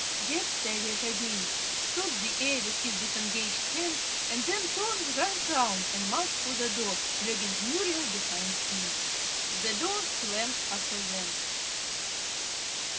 Jack staggered again, sawed the air with his disengaged hand, and then turned right round and marched for the door, dragging Muriel behind him. The door slammed after them.